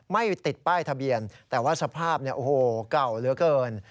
ไม่ติดป้ายทะเบียนแต่ว่าสภาพเก่าเหลือเกิน